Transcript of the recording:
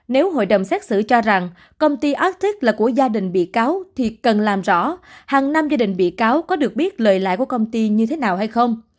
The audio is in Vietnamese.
nếu hội đồng xét xử cho rằng công ty ác thức là của gia đình bị cáo thì cần làm rõ hàng năm gia đình bị cáo có được biết lời lại của công ty như thế nào hay không